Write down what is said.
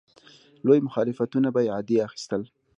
لوی مخالفتونه به یې عادي اخیستل.